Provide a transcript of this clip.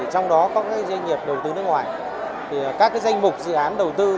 trong đó có các doanh nghiệp đầu tư nước ngoài các danh mục dự án đầu tư